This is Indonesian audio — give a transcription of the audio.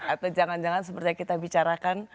atau jangan jangan seperti yang kita bicarakan